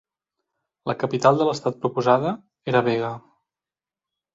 La capital de l'estat proposada era Bega.